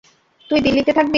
তুই দিল্লীতে থাকবি?